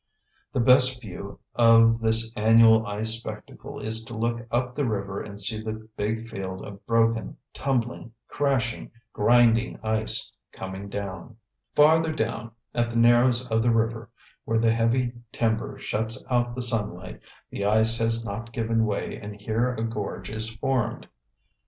The best view of this annual ice spectacle is to look up the river and see the big field of broken, tumbling, crashing, grinding ice coming down. Farther down, at the narrows of the river, where the heavy timber shuts out the sunlight, the ice has not given way and here a gorge is formed.